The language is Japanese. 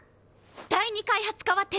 第二開発課は敵。